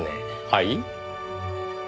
はい？